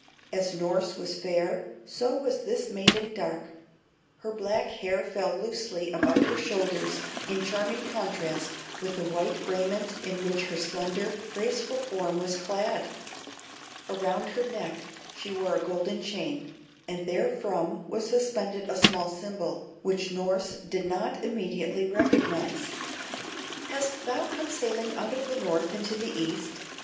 As Norss was fair, so was this maiden dark; her black hair fell loosely about her shoulders in charming contrast with the white raiment in which her slender, graceful form was clad. Around her neck she wore a golden chain, and therefrom was suspended a small symbol, which Norss did not immediately recognize. "Hast thou come sailing out of the North into the East?"